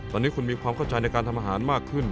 ตอนนี้คุณมีความเข้าใจในการทำอาหารมากขึ้น